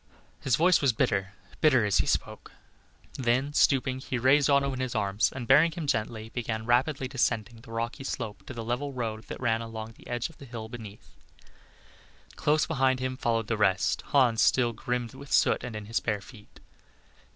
His voice was bitter, bitter, as he spoke; then stooping, he raised Otto in his arms, and bearing him gently, began rapidly descending the rocky slope to the level road that ran along the edge of the hill beneath. Close behind him followed the rest; Hans still grimed with soot and in his bare feet.